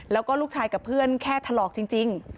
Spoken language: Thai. แล้วก็ลูกชายกับเพื่อนแค่ถลอกจริง